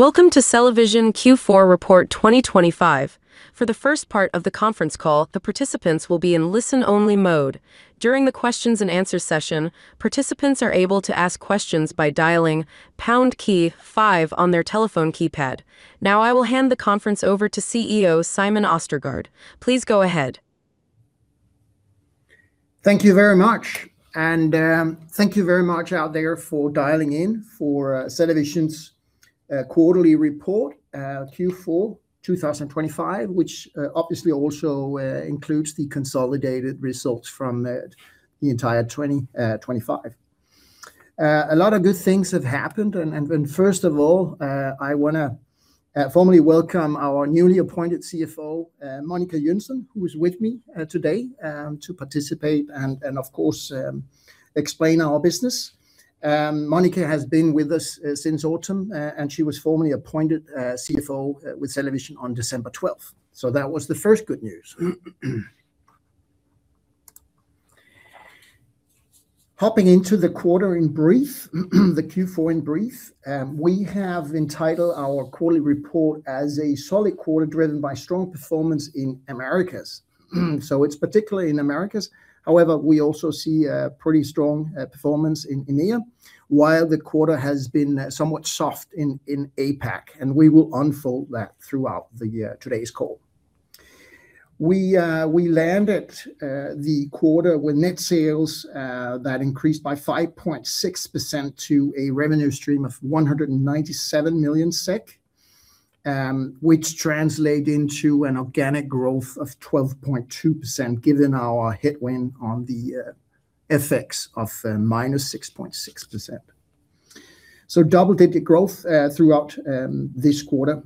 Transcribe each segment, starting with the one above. Welcome to CellaVision Q4 2025 report. For the first part of the conference call, the participants will be in listen-only mode. During the questions and answer session, participants are able to ask questions by dialing pound key five on their telephone keypad. Now, I will hand the conference over to CEO Simon Østergaard. Please go ahead. Thank you very much. Thank you very much out there for dialing in for CellaVision's quarterly report Q4 2025, which obviously also includes the consolidated results from the entire 2025. A lot of good things have happened, and first of all, I wanna formally welcome our newly appointed CFO Monica Jönsson, who is with me today to participate and of course explain our business. Monica has been with us since autumn, and she was formally appointed CFO with CellaVision on December twelfth. So that was the first good news. Hopping into the quarter in brief, the Q4 in brief, we have entitled our quarterly report as a solid quarter, driven by strong performance in Americas. So it's particularly in Americas. However, we also see a pretty strong performance in EMEA, while the quarter has been somewhat soft in APAC, and we will unfold that throughout today's call. We, we landed the quarter with net sales that increased by 5.6% to a revenue stream of 197 million SEK, which translate into an organic growth of 12.2%, given our headwind on the FX of minus 6.6%. So double-digit growth throughout this quarter.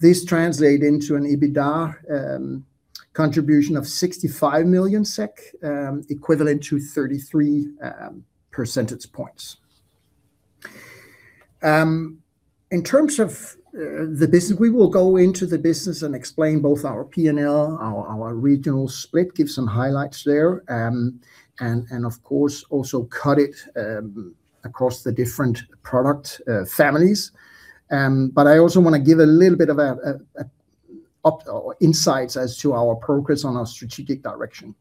This translate into an EBITDA contribution of 65 million SEK, equivalent to 33 percentage points. In terms of the business, we will go into the business and explain both our P&L, our regional split, give some highlights there, and of course, also cut it across the different product families. But I also wanna give a little bit of insights as to our progress on our strategic direction.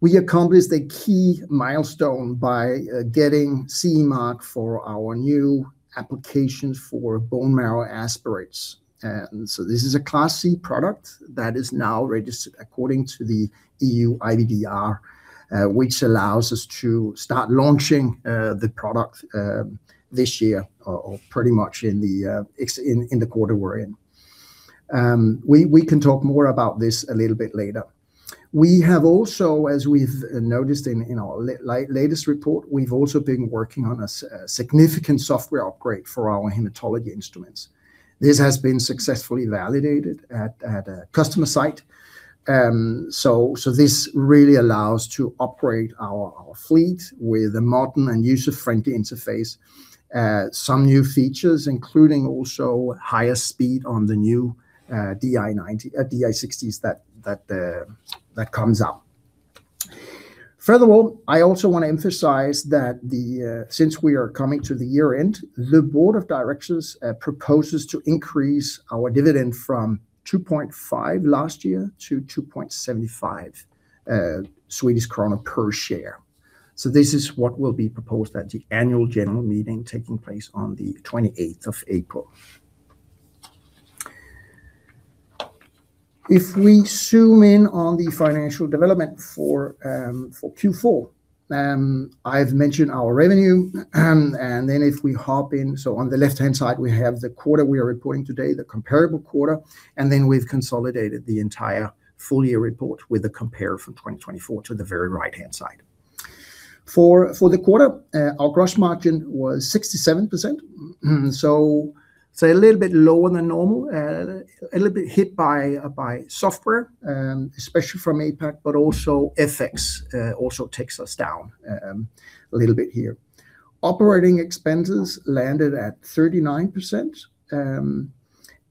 We accomplished a key milestone by getting CE Mark for our new application for bone marrow aspirates. And so this is a Class C product that is now registered according to the EU IVDR, which allows us to start launching the product this year, or pretty much in the quarter we're in. We can talk more about this a little bit later. We have also, as we've noticed in our latest report, we've also been working on a significant software upgrade for our hematology instruments. This has been successfully validated at a customer site. So this really allows to upgrade our fleet with a modern and user-friendly interface. Some new features, including also higher speed on the new DI-60s that comes out. Furthermore, I also want to emphasize that since we are coming to the year-end, the Board of Directors proposes to increase our dividend from 2.5 last year to 2.75 Swedish krona per share. So this is what will be proposed at the Annual General Meeting, taking place on the 28th of April. If we zoom in on the financial development for Q4, I've mentioned our revenue, and then if we hop in, so on the left-hand side, we have the quarter we are reporting today, the comparable quarter, and then we've consolidated the entire full-year report with the comparison from 2024 to the very right-hand side. For the quarter, our gross margin was 67%, so a little bit lower than normal, a little bit hit by software, especially from APAC, but also FX also takes us down a little bit here. Operating expenses landed at 39%,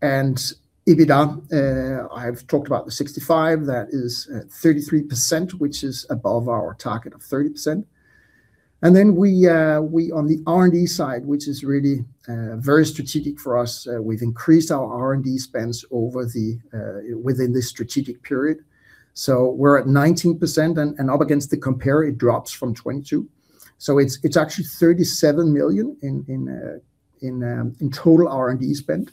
and EBITDA, I've talked about the 65, that is 33%, which is above our target of 30%. Then we on the R&D side, which is really very strategic for us, we've increased our R&D spends within this strategic period. So we're at 19%, and up against the compare, it drops from 22%. So it's actually 37 million in total R&D spend.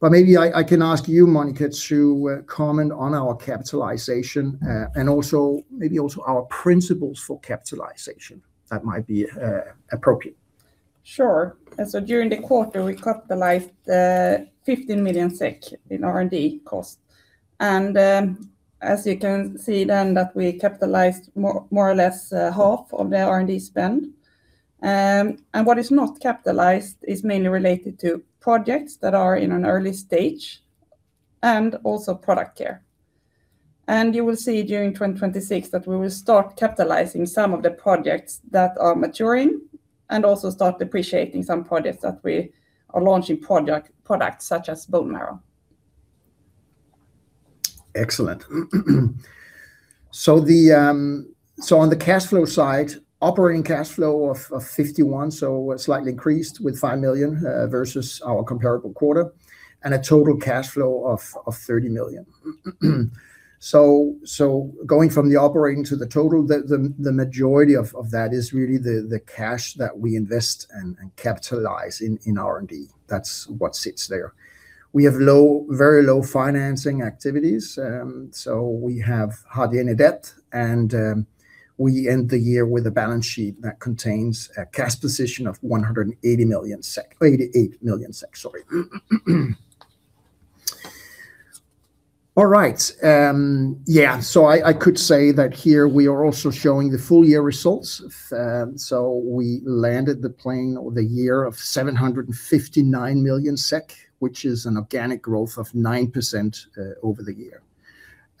But maybe I can ask you, Monica, to comment on our capitalization and also maybe also our principles for capitalization that might be appropriate. Sure. During the quarter, we capitalized 15 million SEK in R&D cost. As you can see then that we capitalized more or less half of the R&D spend. What is not capitalized is mainly related to projects that are in an early stage and also product care. You will see, during 2026, that we will start capitalizing some of the projects that are maturing and also start depreciating some projects that we are launching products, such as bone marrow. Excellent. So the, so on the cash flow side, operating cash flow of 51, so slightly increased with 5 million versus our comparable quarter, and a total cash flow of 30 million. So, so going from the operating to the total, the, the, the majority of that is really the, the cash that we invest and, and capitalize in, in R&D. That's what sits there. We have low, very low financing activities, so we have hardly any debt, and, we end the year with a balance sheet that contains a cash position of 188 million SEK, sorry. All right, yeah, so I, I could say that here we are also showing the full year results of... So we landed the plane or the year of 759 million SEK, which is an organic growth of 9% over the year,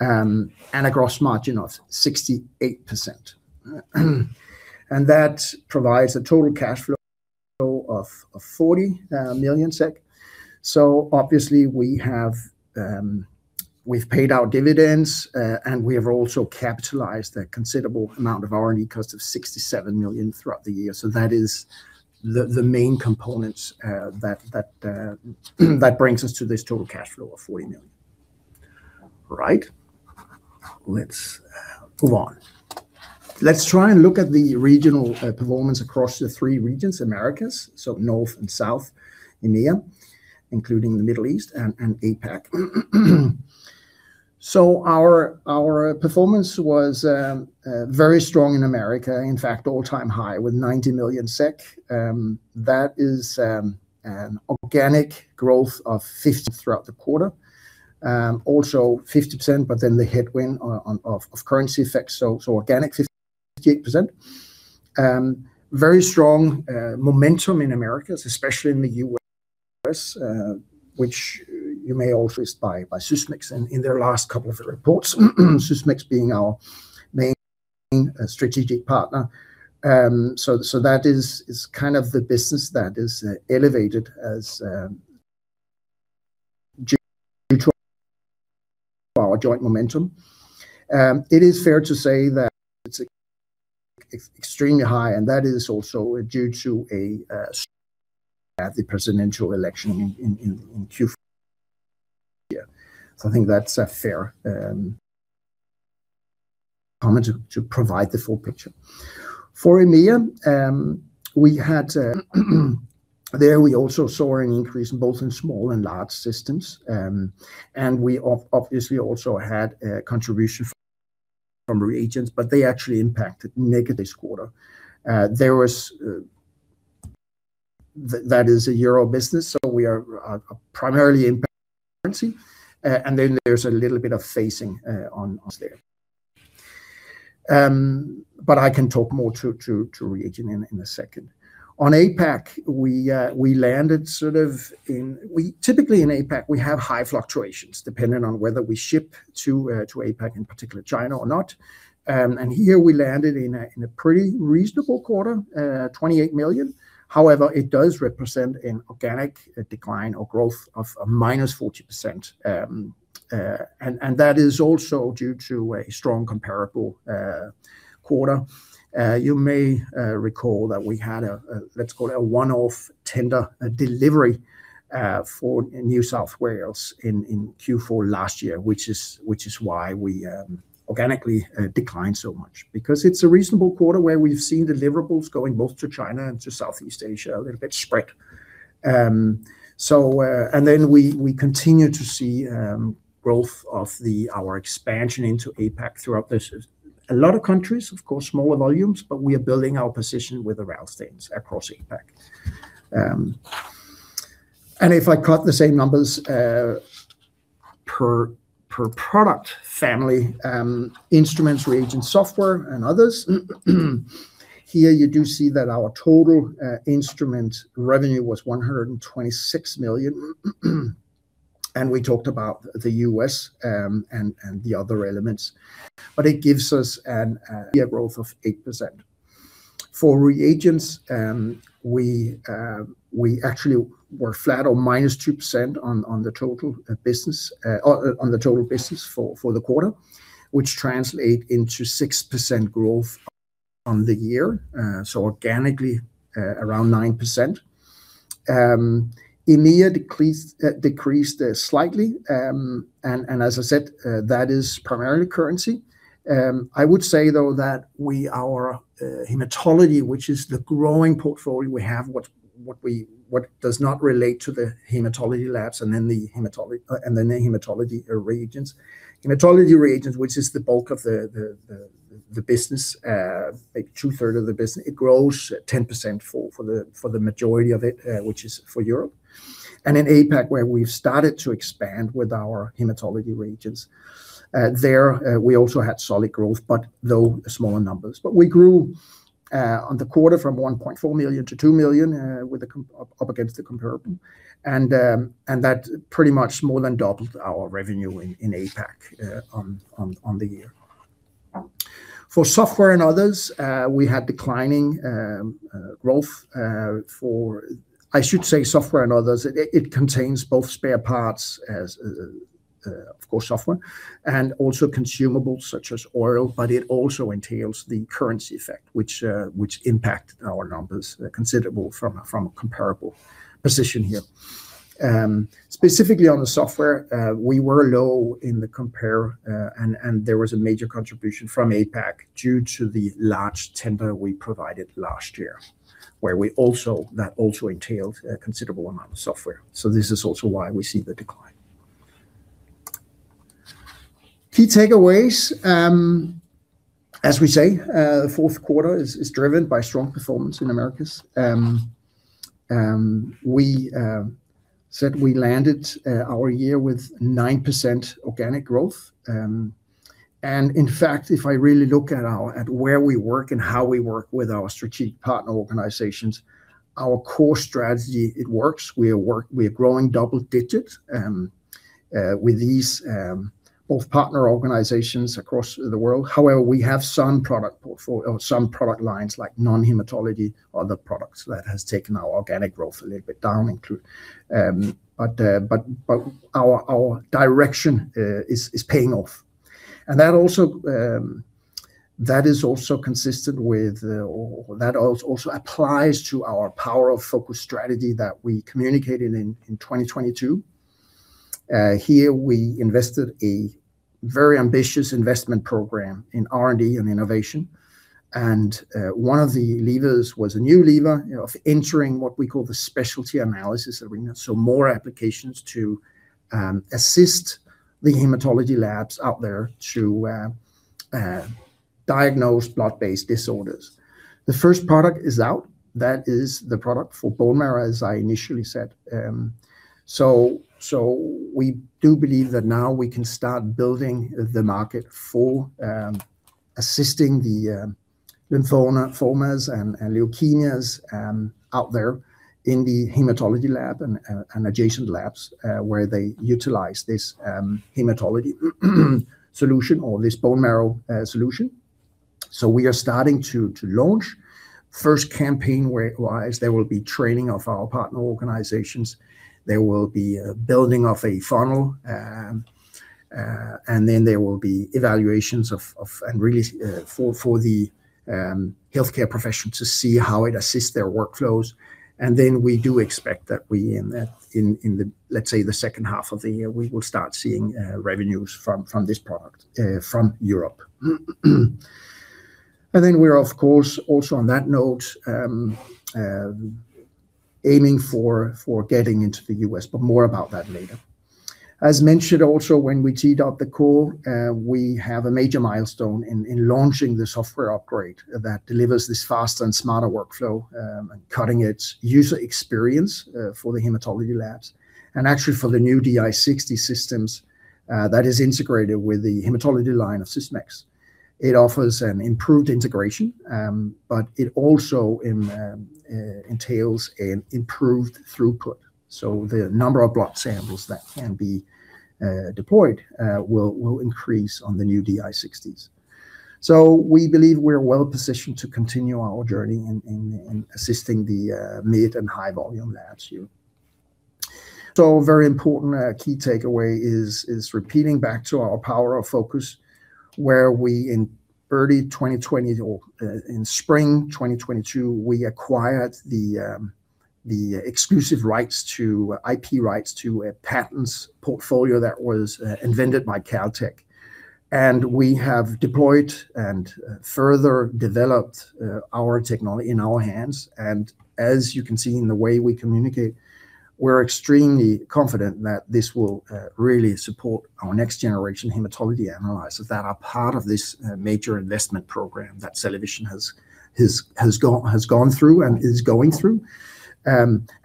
and a gross margin of 68%. And that provides a total cash flow of 40 million SEK. So obviously, we have, we've paid out dividends, and we have also capitalized a considerable amount of R&D costs of 67 million throughout the year. So that is the main components that brings us to this total cash flow of 40 million. Right? Let's move on. Let's try and look at the regional performance across the three regions, Americas, so North and South, EMEA, including the Middle East, and APAC. So our performance was very strong in Americas. In fact, all-time high with 90 million SEK. That is an organic growth of 50 throughout the quarter. Also 50%, but then the headwind on, of currency effects, so organic 58%. Very strong momentum in Americas, especially in the U.S., which you may also by Sysmex in their last couple of reports, Sysmex being our main strategic partner. So that is kind of the business that is elevated as due to our joint momentum. It is fair to say that it's extremely high, and that is also due to at the presidential election in Q4. Yeah. So I think that's a fair comment to provide the full picture. For EMEA, we had, there we also saw an increase in both in small and large systems. And we obviously also had a contribution from reagents, but they actually impacted negative this quarter. There was... That is a Euro business, so we are primarily impacted currency, and then there's a little bit of phasing on there. But I can talk more to reagent in a second. On APAC, we landed sort of in... Typically in APAC, we have high fluctuations, depending on whether we ship to APAC, in particular, China or not. And here we landed in a pretty reasonable quarter, 28 million. However, it does represent an organic decline or growth of a -40%. And that is also due to a strong comparable quarter. You may recall that we had a, let's call it a one-off tender, a delivery, for New South Wales in Q4 last year, which is why we organically declined so much. Because it's a reasonable quarter where we've seen deliverables going both to China and to Southeast Asia, a little bit spread. So, and then we continue to see growth of our expansion into APAC throughout this. A lot of countries, of course, smaller volumes, but we are building our position with the RAL stains across APAC. And if I cut the same numbers per product family, instruments, reagents, software, and others, here you do see that our total instrument revenue was 126 million. We talked about the U.S. and the other elements, but it gives us a growth of 8%. For reagents, we actually were flat or -2% on the total business for the quarter, which translate into 6% growth on the year, so organically around 9%. EMEA decreased slightly. And as I said, that is primarily currency. I would say, though, that our hematology, which is the growing portfolio we have, what does not relate to the hematology labs and then the hematology reagents. Hematology reagents, which is the bulk of the business, like two-thirds of the business, it grows at 10% for the majority of it, which is for Europe. In APAC, where we've started to expand with our hematology reagents, there we also had solid growth, but though smaller numbers. But we grew on the quarter from 1.4 million-2 million up against the comparable and that pretty much more than doubled our revenue in APAC on the year. For software and others, we had declining growth. I should say software and others, it contains both spare parts as, of course, software, and also consumables such as oil, but it also entails the currency effect, which impacts our numbers considerably from a comparable position here. Specifically on the software, we were low in the comparable, and there was a major contribution from APAC due to the large tender we provided last year, where we also... that also entailed a considerable amount of software. So this is also why we see the decline. Key takeaways, as we say, the fourth quarter is driven by strong performance in Americas. We said we landed our year with 9% organic growth. And in fact, if I really look at our- at where we work and how we work with our strategic partner organizations, our core strategy, it works. We are work- we are growing double digits with these both partner organizations across the world. However, we have some product portfo- or some product lines like non-hematology, other products that has taken our organic growth a little bit down, including. But our direction is paying off. And that also that is also consistent with or that also applies to our Power of Focus strategy that we communicated in 2022. Here we invested a very ambitious investment program in R&D and innovation, and one of the levers was a new lever, you know, of entering what we call the specialty analysis arena. So more applications to assist the hematology labs out there to diagnose blood-based disorders. The first product is out. That is the product for bone marrow, as I initially said. So we do believe that now we can start building the market for assisting the lymphomas and leukemias out there in the hematology lab and adjacent labs where they utilize this hematology solution or this bone marrow solution. So we are starting to launch. First campaign where it lies, there will be training of our partner organizations, there will be a building of a funnel, and then there will be evaluations of and really for the healthcare professional to see how it assists their workflows. And then we do expect that we, in the, let's say, the second half of the year, we will start seeing revenues from this product from Europe. And then we're of course also on that note aiming for getting into the U.S., but more about that later. As mentioned also, when we teed up the call, we have a major milestone in launching the software upgrade that delivers this faster and smarter workflow, and cutting its user experience for the hematology labs. Actually, for the new DI-60 systems that is integrated with the hematology line of Sysmex. It offers an improved integration, but it also entails an improved throughput. So the number of blood samples that can be deployed will increase on the new DI-60s. So we believe we're well positioned to continue our journey in assisting the mid and high volume labs here. So a very important key takeaway is repeating back to our power of focus, where we in early 2020 or in spring 2022, we acquired the exclusive rights to IP rights to a patents portfolio that was invented by Caltech. And we have deployed and further developed our technology in our hands. As you can see in the way we communicate, we're extremely confident that this will really support our next generation hematology analyzers that are part of this major investment program that CellaVision has gone through and is going through.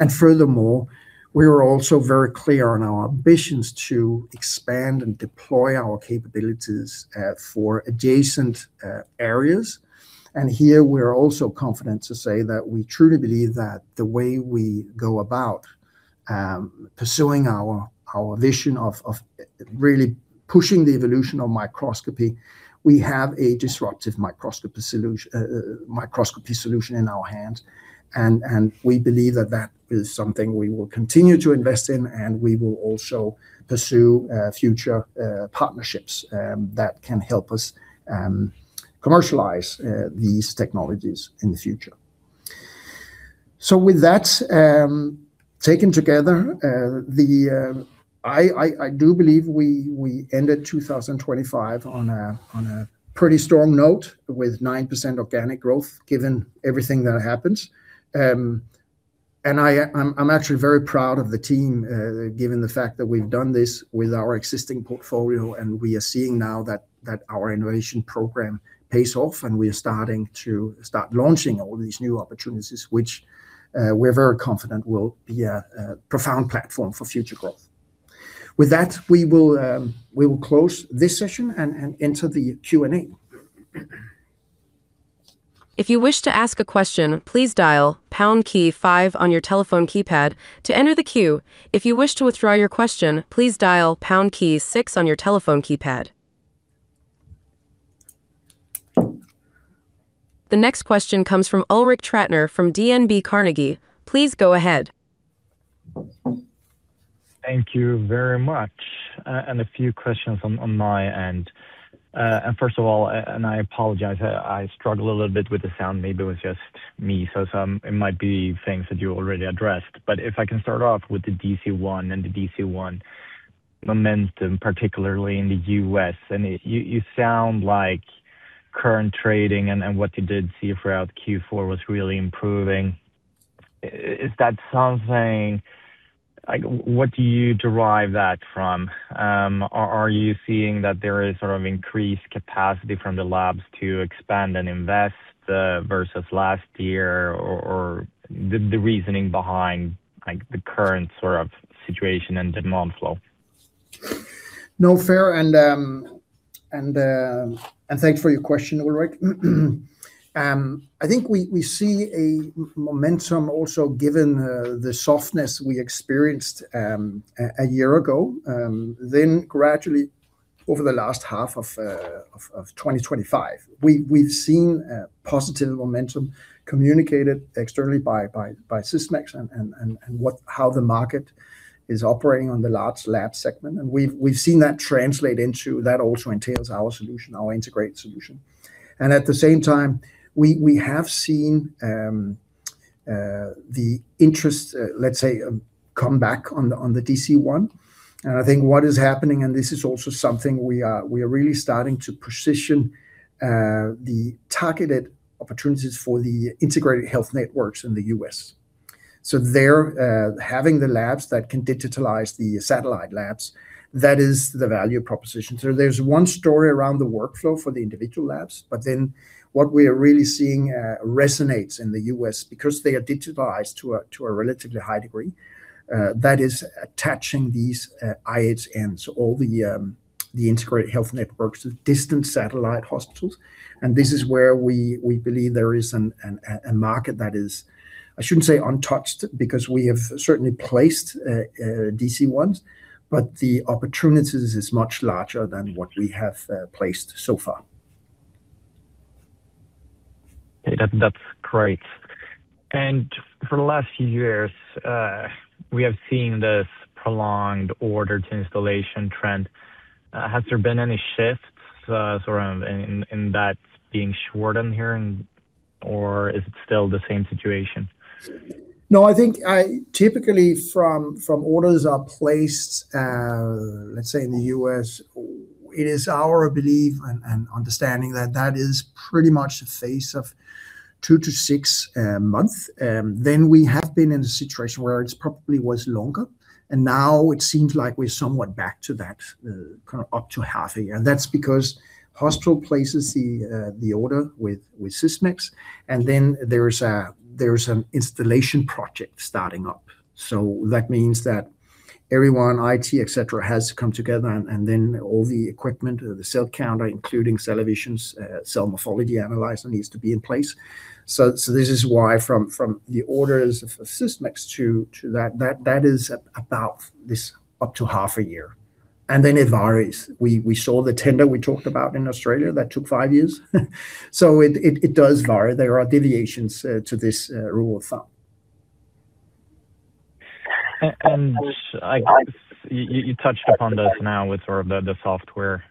Furthermore, we are also very clear on our ambitions to expand and deploy our capabilities for adjacent areas. Here, we are also confident to say that we truly believe that the way we go about pursuing our vision of really pushing the evolution of microscopy, we have a disruptive microscopy solution in our hand. We believe that that is something we will continue to invest in, and we will also pursue future partnerships that can help us commercialize these technologies in the future. So with that, taken together, I do believe we ended 2025 on a pretty strong note with 9% organic growth, given everything that happens. And I'm actually very proud of the team, given the fact that we've done this with our existing portfolio, and we are seeing now that our innovation program pays off, and we are starting to launch all these new opportunities, which we're very confident will be a profound platform for future growth. With that, we will close this session and enter the Q&A. If you wish to ask a question, please dial pound key five on your telephone keypad to enter the queue. If you wish to withdraw your question, please dial pound key six on your telephone keypad. The next question comes from Ulrik Trattner from DNB Carnegie. Please go ahead. Thank you very much. And a few questions on my end. And first of all, I apologize, I struggle a little bit with the sound. Maybe it was just me, so it might be things that you already addressed. But if I can start off with the DC-1 and the DC-1 momentum, particularly in the U.S., and you sound like current trading and what you did see throughout Q4 was really improving. Is that something... Like, what do you derive that from? Are you seeing that there is sort of increased capacity from the labs to expand and invest versus last year, or the reasoning behind, like, the current sort of situation and demand flow? No, fair. And thanks for your question, Ulrik. I think we see a momentum also, given the softness we experienced a year ago. Then gradually over the last half of 2025, we've seen positive momentum communicated externally by Sysmex and how the market is operating on the large lab segment. And we've seen that translate into... That also entails our solution, our integrated solution. And at the same time, we have seen the interest, let's say, come back on the DC-1. And I think what is happening, and this is also something we are really starting to position the targeted opportunities for the integrated health networks in the U.S. So there, having the labs that can digitalize the satellite labs, that is the value proposition. So there's one story around the workflow for the individual labs, but then what we are really seeing resonates in the U.S. because they are digitalized to a relatively high degree, that is attaching these IHN, so all the the integrated health networks, distant satellite hospitals. And this is where we believe there is a market that is, I shouldn't say untouched, because we have certainly placed DC-1s, but the opportunities is much larger than what we have placed so far. Okay, that's great. For the last few years, we have seen this prolonged order to installation trend. Has there been any shifts, sort of in that being shortened here, and or is it still the same situation? No, I think typically orders are placed, let's say in the U.S., it is our belief and understanding that that is pretty much the fact of 2 to 6 months. Then we have been in a situation where it probably was longer, and now it seems like we're somewhat back to that kind of up to half a year. And that's because the hospital places the order with Sysmex, and then there is an installation project starting up. So that means that everyone, IT, et cetera, has to come together and then all the equipment, the cell counter, including CellaVision's cell morphology analyzer, needs to be in place. So this is why from the orders of Sysmex to that that is about this up to half a year, and then it varies. We saw the tender we talked about in Australia that took five years. So it does vary. There are deviations to this rule of thumb. And you touched upon this now with sort of the software,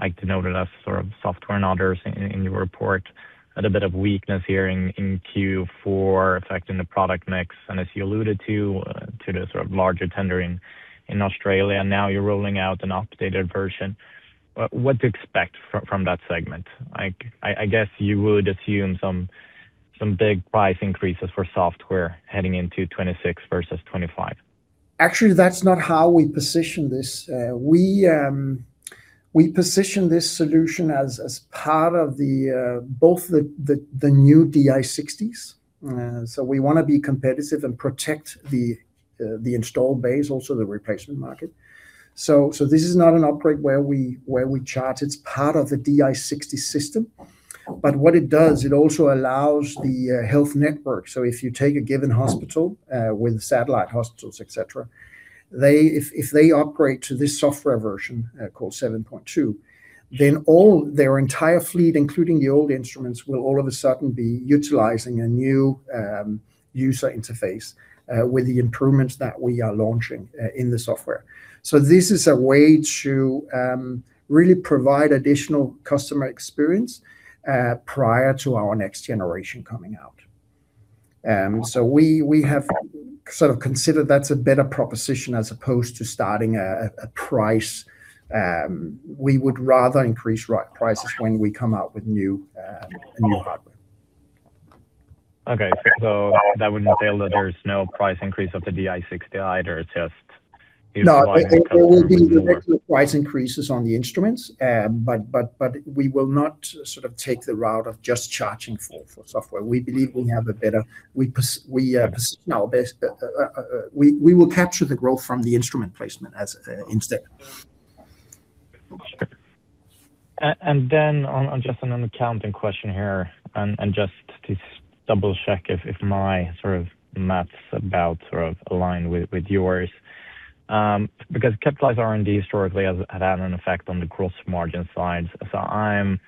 like to note it as sort of software and others in your report, a little bit of weakness here in Q4 affecting the product mix. And as you alluded to, to the sort of larger tendering in Australia, now you're rolling out an updated version. But what to expect from that segment? Like, I guess you would assume some big price increases for software heading into 2026 versus 2025. Actually, that's not how we position this. We position this solution as part of both the new DI-60s. So we want to be competitive and protect the installed base, also the replacement market. So this is not an upgrade where we charge. It's part of the DI-60 system. But what it does, it also allows the health network. So if you take a given hospital with satellite hospitals, et cetera, they—if they upgrade to this software version called 7.2, then all their entire fleet, including the old instruments, will all of a sudden be utilizing a new user interface with the improvements that we are launching in the software. So this is a way to really provide additional customer experience prior to our next generation coming out. We have sort of considered that's a better proposition as opposed to starting a price. We would rather increase right prices when we come out with new hardware. Okay. So that would entail that there's no price increase of the DI-60 either, it's just- No, there will be price increases on the instruments, but we will not sort of take the route of just charging for software. We believe we have a better. No, we will capture the growth from the instrument placement as instead. Sure. And then on just an accounting question here, just to double-check if my sort of math sort of aligns with yours. Because capitalized R&D historically has had an effect on the gross margin side. So I'm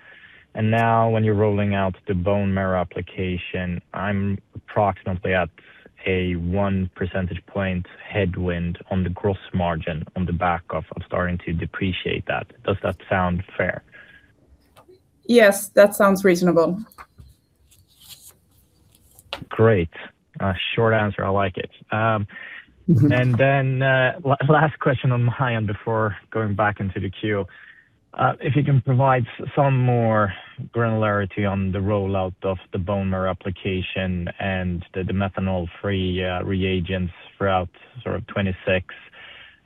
and now, when you're rolling out the bone marrow application, I'm approximately at a one percentage point headwind on the gross margin on the back of starting to depreciate that. Does that sound fair? Yes, that sounds reasonable. Great. Short answer, I like it. And then, last question on my end before going back into the queue. If you can provide some more granularity on the rollout of the bone marrow application and the, the methanol-free, reagents throughout sort of 2026.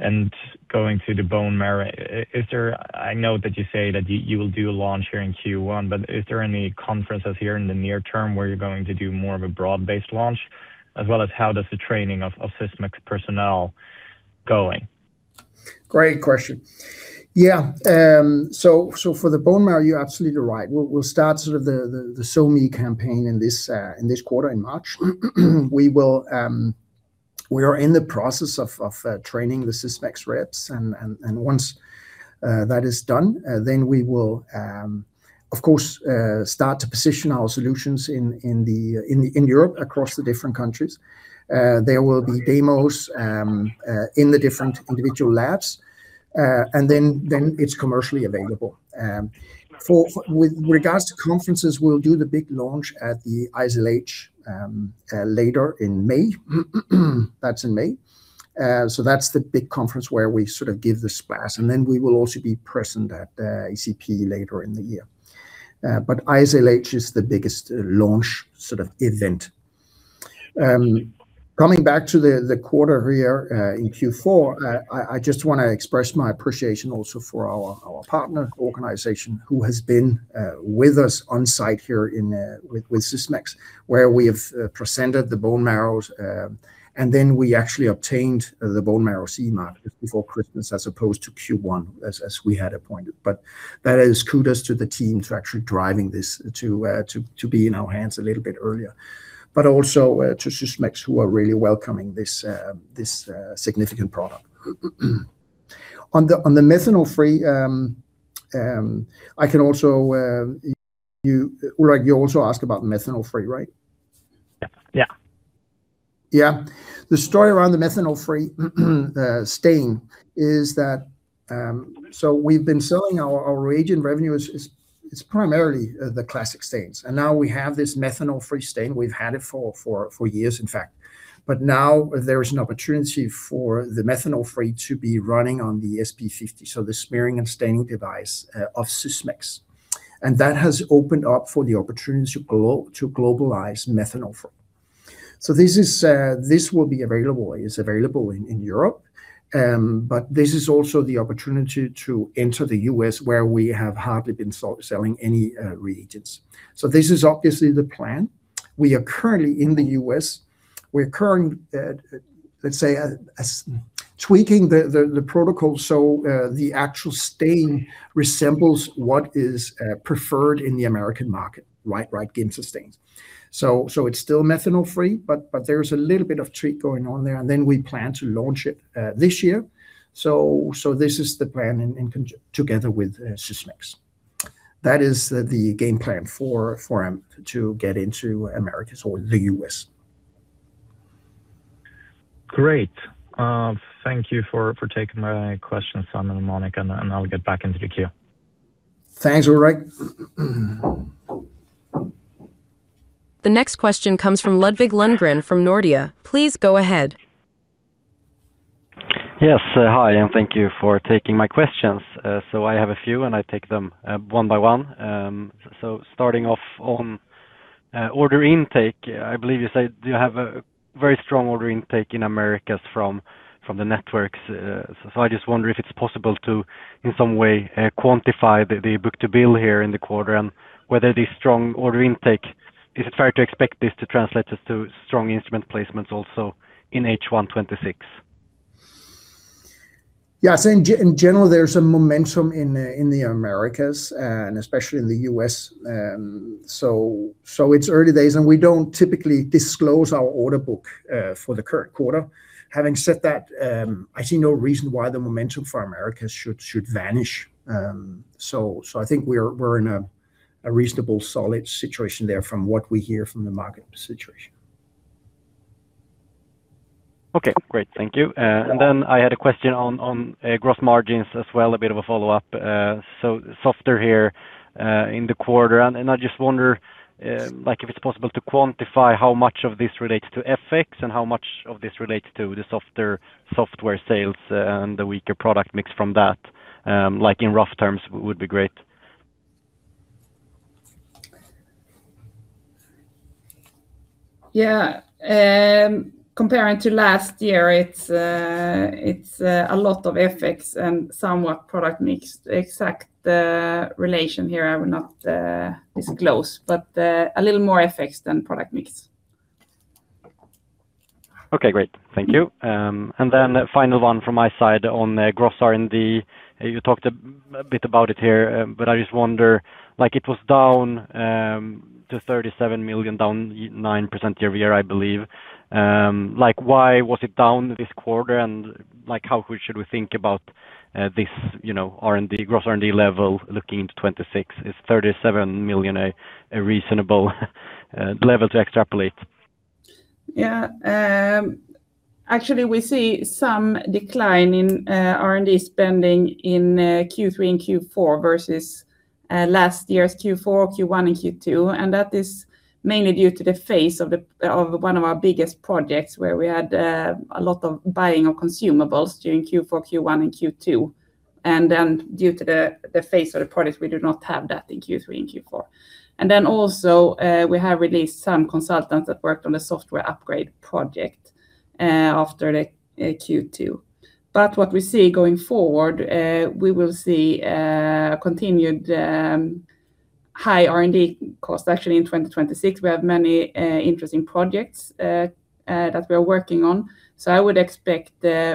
And going to the bone marrow, is there— I know that you say that you, you will do a launch here in Q1, but is there any conferences here in the near term where you're going to do more of a broad-based launch? As well as how does the training of Sysmex personnel going? Great question. Yeah, so for the bone marrow, you're absolutely right. We'll start sort of the SoMe campaign in this quarter, in March. We are in the process of training the Sysmex reps, and once that is done, then we will, of course, start to position our solutions in Europe, across the different countries. There will be demos in the different individual labs, and then it's commercially available. With regards to conferences, we'll do the big launch at the ISLH later in May. That's in May. So that's the big conference where we sort of give the splash, and then we will also be present at ACP later in the year. But ISLH is the biggest launch sort of event. Coming back to the quarter here in Q4, I just wanna express my appreciation also for our partner organization, who has been with us on site here with Sysmex, where we have presented the bone marrow, and then we actually obtained the bone marrow CE Mark before Christmas, as opposed to Q1, as we had anticipated. But that is kudos to the team for actually driving this to be in our hands a little bit earlier, but also to Sysmex, who are really welcoming this significant product. On the methanol-free, I can also... You, Ulrik, you also asked about methanol-free, right? Yeah, yeah. Yeah. The story around the methanol-free stain is that, so we've been selling our, our reagent revenue is, is, it's primarily the classic stains, and now we have this methanol-free stain. We've had it for, for, for years, in fact, but now there is an opportunity for the methanol-free to be running on the SP-50, so the smearing and staining device of Sysmex. And that has opened up for the opportunity to globalize methanol-free. So this is, this will be available, is available in, in Europe, but this is also the opportunity to enter the U.S., where we have hardly been selling any reagents. So this is obviously the plan. We are currently in the U.S. We're currently tweaking the protocol, so the actual stain resembles what is preferred in the American market, right? Right, Giemsa stains. So it's still methanol-free, but there's a little bit of tweak going on there, and then we plan to launch it this year. So this is the plan in conjunction with Sysmex. That is the game plan to get into Americas or the U.S. Great. Thank you for taking my questions, Simon and Monica, and I'll get back into the queue. Thanks, Ulrik. The next question comes from Ludvig Lundgren from Nordea. Please go ahead. Yes, hi, and thank you for taking my questions. So I have a few, and I take them one by one. So starting off on order intake, I believe you said you have a very strong order intake in Americas from the networks. So I just wonder if it's possible to, in some way, quantify the book-to-bill here in the quarter, and whether the strong order intake is it fair to expect this to translate just to strong instrument placements also in H1 2026? Yeah, so in general, there's a momentum in the Americas, and especially in the U.S. So it's early days, and we don't typically disclose our order book for the current quarter. Having said that, I see no reason why the momentum for Americas should vanish. So I think we're in a reasonable solid situation there from what we hear from the market situation. Okay, great. Thank you. And then I had a question on, on, gross margins as well, a bit of a follow-up. So softer here, in the quarter, and, and I just wonder, like, if it's possible to quantify how much of this relates to FX and how much of this relates to the softer software sales, and the weaker product mix from that, like, in rough terms would be great. Yeah, comparing to last year, it's a lot of FX and somewhat product mix. Exact relation here, I would not disclose, but a little more FX than product mix.... Okay, great. Thank you. And then the final one from my side on the gross R&D. You talked a bit about it here, but I just wonder, like it was down to 37 million, down 9% year-over-year, I believe. Like, why was it down this quarter? And like, how should we think about this, you know, R&D, gross R&D level looking into 2026? Is 37 million a reasonable level to extrapolate? Yeah. Actually, we see some decline in R&D spending in Q3 and Q4 versus last year's Q4, Q1, and Q2, and that is mainly due to the phase of one of our biggest projects, where we had a lot of buying of consumables during Q4, Q1, and Q2. And then due to the phase of the product, we do not have that in Q3 and Q4. And then also, we have released some consultants that worked on the software upgrade project after the Q2. But what we see going forward, we will see continued high R&D costs. Actually, in 2026, we have many interesting projects that we are working on. So I would expect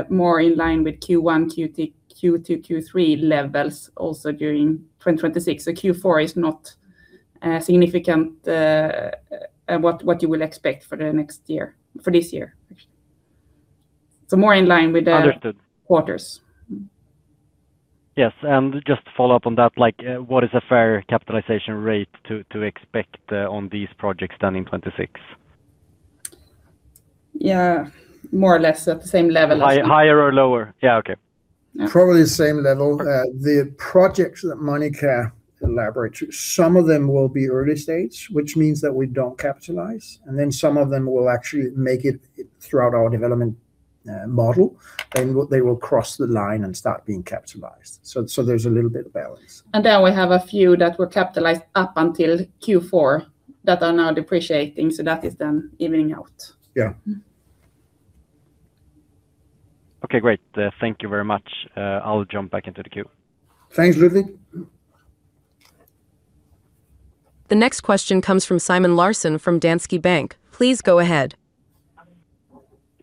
more in line with Q1, Q2, Q2, Q3 levels also during 2026. So Q4 is not significant, what you will expect for the next year, for this year. So more in line with the- Understood. Quarters. Yes, and just to follow up on that, like, what is a fair capitalization rate to expect on these projects done in 2026? Yeah, more or less at the same level as- Higher or lower? Yeah. Okay. Probably the same level. The projects that Monica elaborated, some of them will be early stage, which means that we don't capitalize, and then some of them will actually make it throughout our development model, then they will cross the line and start being capitalized. So, so there's a little bit of balance. Then we have a few that were capitalized up until Q4, that are now depreciating, so that is then evening out. Yeah. Mm-hmm. Okay, great. Thank you very much. I'll jump back into the queue. Thanks, Ludvig. The next question comes from Simon Larsson from Danske Bank. Please go ahead.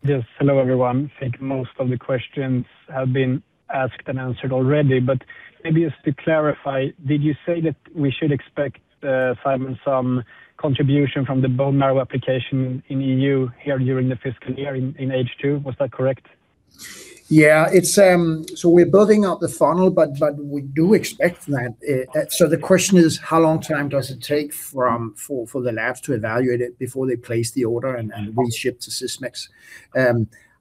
Yes. Hello, everyone. I think most of the questions have been asked and answered already, but maybe just to clarify, did you say that we should expect, Simon, some contribution from the bone marrow application in EU here during the fiscal year in H2? Was that correct? Yeah, it's. So we're building out the funnel, but we do expect that, so the question is, how long time does it take for the labs to evaluate it before they place the order, and we ship to Sysmex?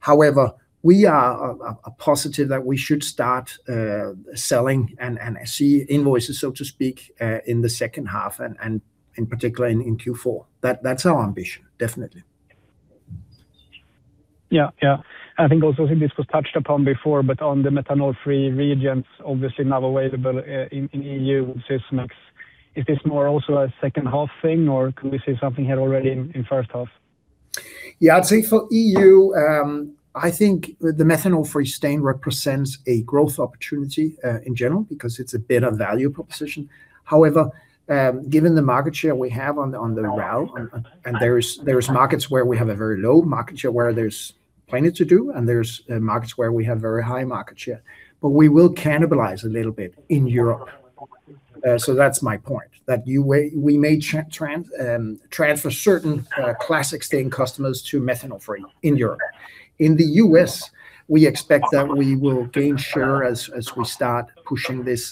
However, we are positive that we should start selling and see invoices, so to speak, in the second half and, in particular, in Q4. That's our ambition, definitely. Yeah. Yeah. I think also this was touched upon before, but on the methanol-free reagents, obviously now available in EU Sysmex. Is this more also a second half thing, or can we see something here already in first half? Yeah, I'd say for EU, I think the methanol-free stain represents a growth opportunity, in general, because it's a better value proposition. However, given the market share we have on the reagent, and there are markets where we have a very low market share, where there's plenty to do, and there's markets where we have very high market share. But we will cannibalize a little bit in Europe. So that's my point, that we may transfer certain classic stain customers to methanol-free in Europe. In the U.S., we expect that we will gain share as we start pushing this,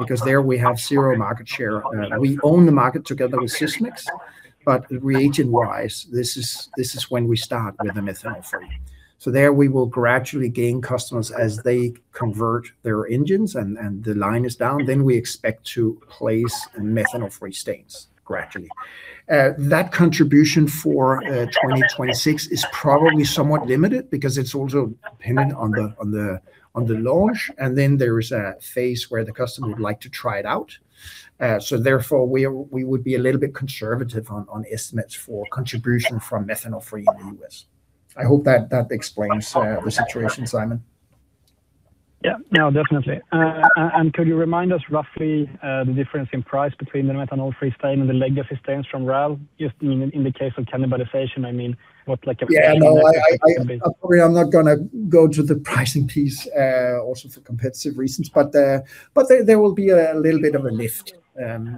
because there we have zero market share. We own the market together with Sysmex, but reagent-wise, this is when we start with the methanol-free. So there, we will gradually gain customers as they convert their engines and the line is down, then we expect to place methanol-free stains gradually. That contribution for 2026 is probably somewhat limited because it's also dependent on the launch, and then there is a phase where the customer would like to try it out. So therefore, we would be a little bit conservative on estimates for contribution from methanol-free in the U.S.. I hope that explains the situation, Simon. Yeah. No, definitely. And could you remind us roughly, the difference in price between the methanol-free stain and the legacy stains from RAL, just in the case of cannibalization, I mean, what like a- Yeah, no, I probably I'm not gonna go to the pricing piece, also for competitive reasons, but there will be a little bit of a lift.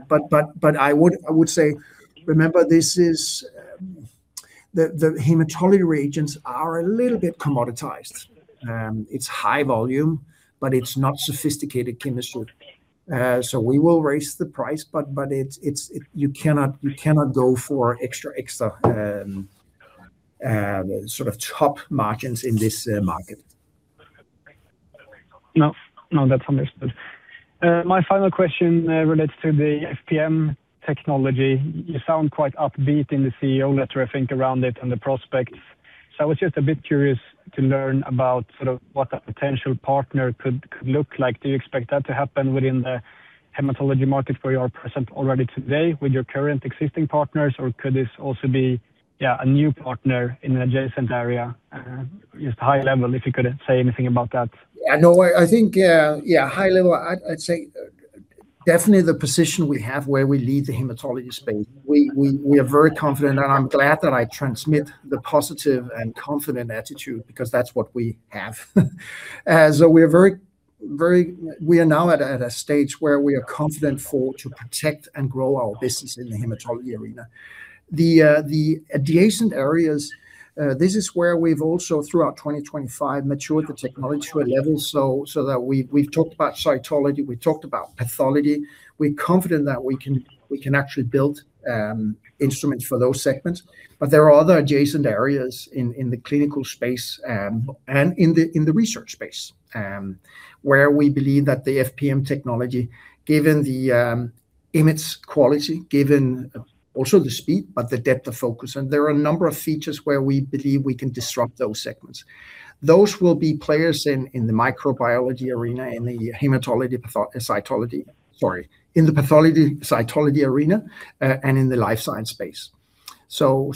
But I would say, remember, this is the hematology reagents are a little bit commoditized. It's high volume, but it's not sophisticated chemistry. So we will raise the price, but it's you cannot go for extra sort of top margins in this market. No, no, that's understood. My final question relates to the FPM technology. You sound quite upbeat in the CEO letter, I think, around it and the prospects. So I was just a bit curious to learn about sort of what a potential partner could look like. Do you expect that to happen within the hematology market, where you are present already today with your current existing partners, or could this also be, yeah, a new partner in an adjacent area? Just high level, if you could say anything about that. Yeah, no, I think, yeah, high level, I'd say, definitely the position we have where we lead the hematology space, we are very confident, and I'm glad that I transmit the positive and confident attitude because that's what we have. As we are very, we are now at a stage where we are confident for to protect and grow our business in the hematology arena. The adjacent areas, this is where we've also, throughout 2025, matured the technology to a level, so that we've talked about cytology, we've talked about pathology. We're confident that we can actually build instruments for those segments. But there are other adjacent areas in the clinical space, and in the research space, where we believe that the FPM technology, given the image quality, given also the speed, but the depth of focus, and there are a number of features where we believe we can disrupt those segments. Those will be players in the microbiology arena, in the hematology path-cytology, sorry, in the pathology, cytology arena, and in the life science space. So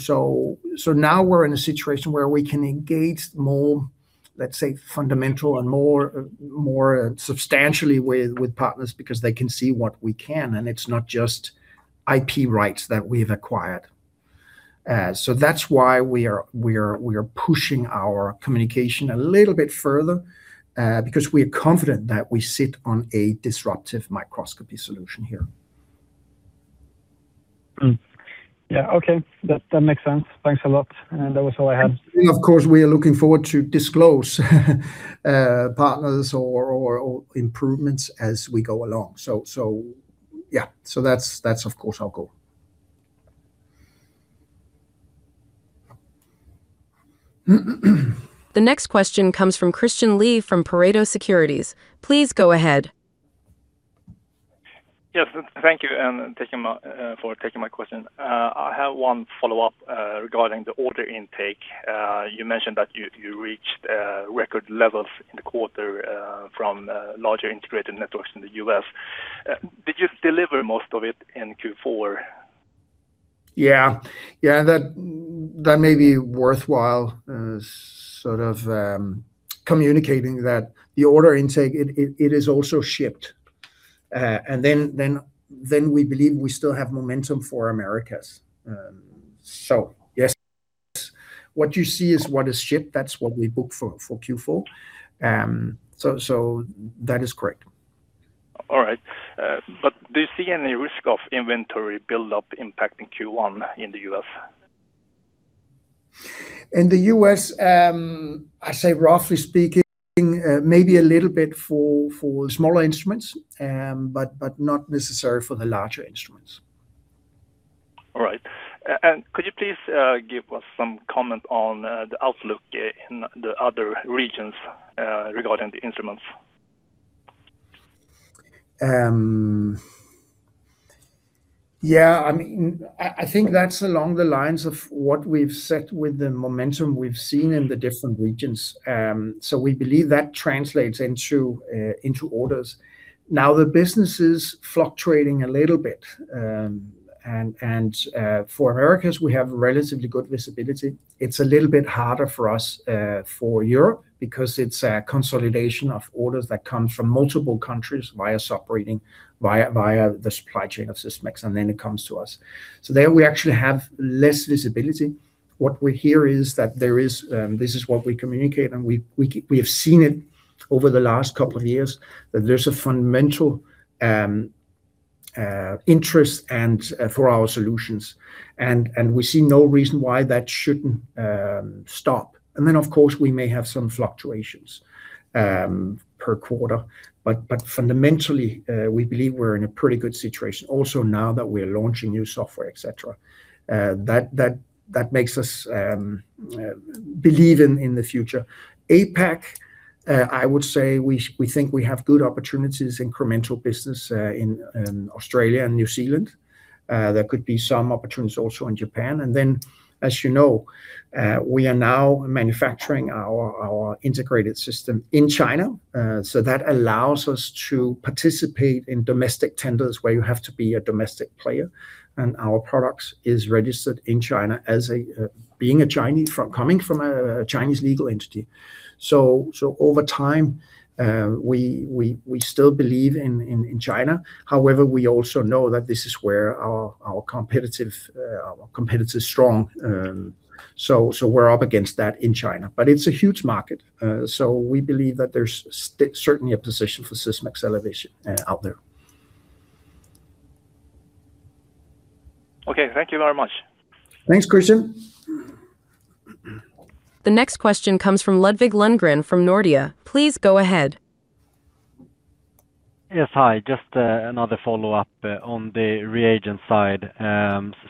now we're in a situation where we can engage more, let's say, fundamental and more substantially with partners because they can see what we can, and it's not just IP rights that we've acquired. So that's why we are pushing our communication a little bit further, because we are confident that we sit on a disruptive microscopy solution here. Yeah, okay. That, that makes sense. Thanks a lot. That was all I had. Of course, we are looking forward to disclose partners or improvements as we go along. So, yeah. So that's of course our goal. The next question comes from Christian Lee from Pareto Securities. Please go ahead. Yes, thank you, and thank you for taking my question. I have one follow-up regarding the order intake. You mentioned that you reached record levels in the quarter from larger integrated networks in the U.S. Did you deliver most of it in Q4? Yeah. Yeah, that may be worthwhile, sort of, communicating that the order intake is also shipped. And then we believe we still have momentum for Americas. So yes, what you see is what is shipped, that's what we booked for Q4. So that is correct. All right. But do you see any risk of inventory build-up impacting Q1 in the U.S.? In the U.S., I say roughly speaking, maybe a little bit for smaller instruments, but not necessarily for the larger instruments. All right. Could you please give us some comment on the outlook in the other regions regarding the instruments? Yeah, I mean, I think that's along the lines of what we've set with the momentum we've seen in the different regions. So we believe that translates into orders. Now, the business is fluctuating a little bit. And for Americas, we have relatively good visibility. It's a little bit harder for us for Europe because it's a consolidation of orders that come from multiple countries via separating, via the supply chain of Sysmex, and then it comes to us. So there we actually have less visibility. What we hear is that there is, this is what we communicate, and we have seen it over the last couple of years, that there's a fundamental interest and for our solutions, and we see no reason why that shouldn't stop. Then, of course, we may have some fluctuations per quarter, but fundamentally, we believe we're in a pretty good situation. Also, now that we are launching new software, et cetera, that makes us believe in the future. APAC, I would say we think we have good opportunities, incremental business in Australia and New Zealand. There could be some opportunities also in Japan. Then, as you know, we are now manufacturing our integrated system in China, so that allows us to participate in domestic tenders where you have to be a domestic player, and our products is registered in China as being a Chinese coming from a Chinese legal entity. So over time, we still believe in China. However, we also know that this is where our competitive is strong, so we're up against that in China. But it's a huge market, so we believe that there's certainly a position for Sysmex elevation out there. Okay. Thank you very much. Thanks, Christian. The next question comes from Ludvig Lundgren from Nordea. Please go ahead. Yes, hi. Just another follow-up on the reagent side.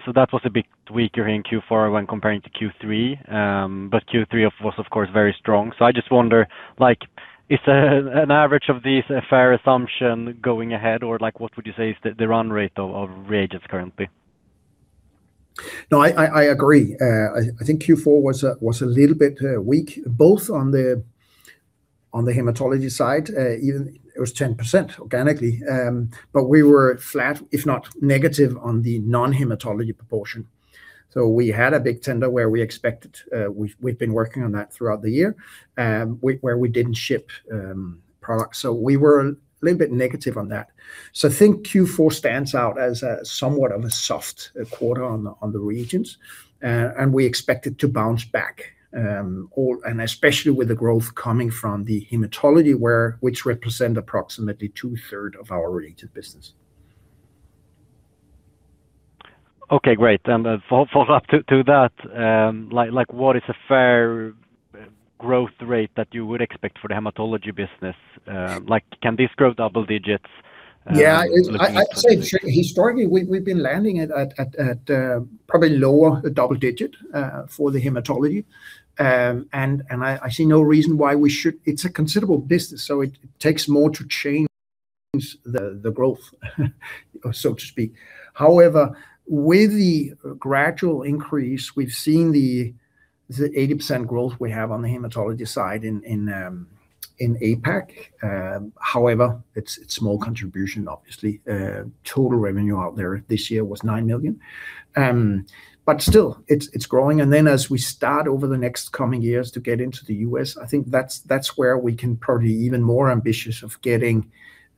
So that was a bit weaker in Q4 when comparing to Q3, but Q3 of course, of course, very strong. So I just wonder, like, is an average of these a fair assumption going ahead, or like, what would you say is the run rate of reagents currently? No, I agree. I think Q4 was a little bit weak, both on the hematology side, even it was 10% organically. But we were flat, if not negative, on the non-hematology proportion. So we had a big tender where we expected, we've been working on that throughout the year, where we didn't ship products. So we were a little bit negative on that. So I think Q4 stands out as somewhat of a soft quarter on the regions, and we expect it to bounce back. Or and especially with the growth coming from the hematology, where which represent approximately two-thirds of our related business. Okay, great. And, follow up to that, like, like what is a fair growth rate that you would expect for the hematology business? Like, can this grow double digits? Yeah, it's... I'd say historically, we've been landing at probably lower double digit for the hematology. I see no reason why we should. It's a considerable business, so it takes more to change the growth, so to speak. However, with the gradual increase, we've seen the 80% growth we have on the hematology side in APAC. However, it's small contribution, obviously. Total revenue out there this year was 9 million. But still, it's growing. And then, as we start over the next coming years to get into the U.S., I think that's where we can probably even more ambitious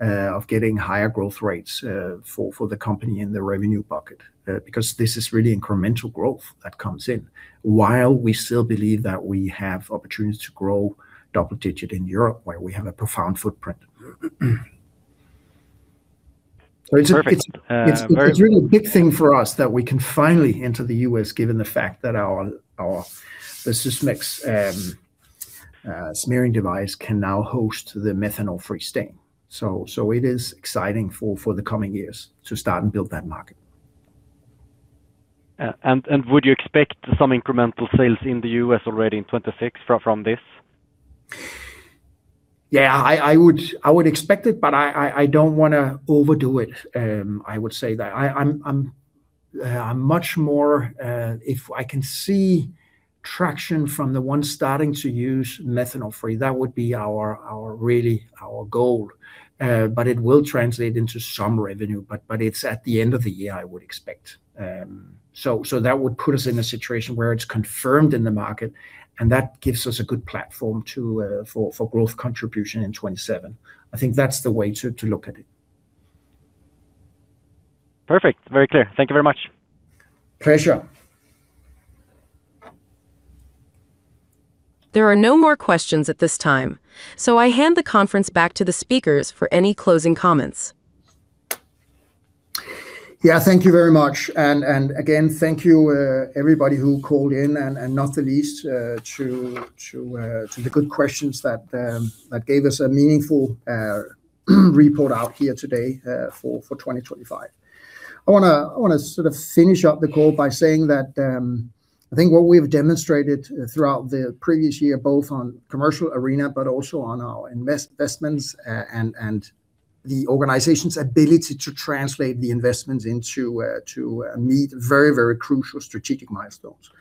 of getting higher growth rates for the company in the revenue bucket. Because this is really incremental growth that comes in, while we still believe that we have opportunities to grow double digit in Europe, where we have a profound footprint. Perfect, uh- It's a really big thing for us that we can finally enter the U.S., given the fact that our Sysmex smearing device can now host the methanol-free stain. So it is exciting for the coming years to start and build that market. Would you expect some incremental sales in the U.S. already in 2026 from this? Yeah, I would expect it, but I don't wanna overdo it. I would say that I'm much more if I can see traction from the one starting to use methanol free, that would be really our goal, but it will translate into some revenue. But it's at the end of the year, I would expect. So that would put us in a situation where it's confirmed in the market, and that gives us a good platform for growth contribution in 2027. I think that's the way to look at it. Perfect. Very clear. Thank you very much. Pleasure. There are no more questions at this time, so I hand the conference back to the speakers for any closing comments. Yeah, thank you very much. And again, thank you, everybody who called in and not the least to the good questions that gave us a meaningful report out here today for 2025. I wanna sort of finish up the call by saying that I think what we've demonstrated throughout the previous year, both on commercial arena, but also on our investments and the organization's ability to translate the investments into meeting very crucial strategic milestones.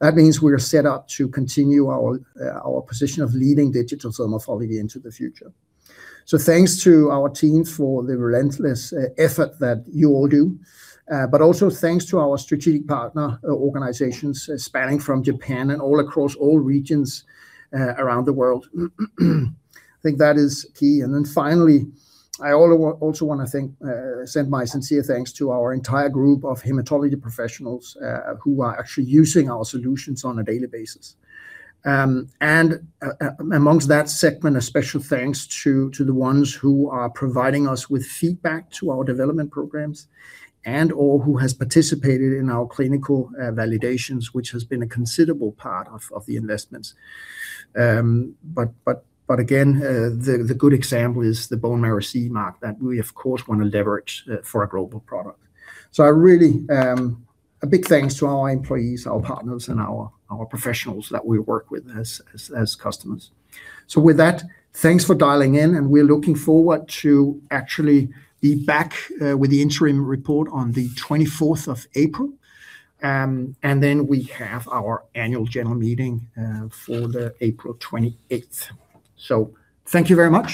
That means we are set up to continue our position of leading digital hematology into the future. So thanks to our team for the relentless effort that you all do. But also thanks to our strategic partner organizations, spanning from Japan and all across all regions around the world. I think that is key. And then finally, I also wanna thank, send my sincere thanks to our entire group of hematology professionals who are actually using our solutions on a daily basis. And amongst that segment, a special thanks to the ones who are providing us with feedback to our development programs and or who has participated in our clinical validations, which has been a considerable part of the investments. But again, the good example is the bone marrow CE Mark that we of course wanna leverage for a global product. So I really, a big thanks to all our employees, our partners, and our professionals that we work with as customers. So with that, thanks for dialing in, and we're looking forward to actually be back with the interim report on the twenty-fourth of April. And then we have our annual general meeting for the April twenty-eighth. So thank you very much.